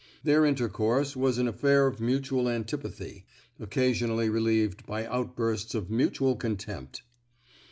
Their intercourse was an affair of mutual antipathy, occasionally re lieved by outbursts of mutual contempt.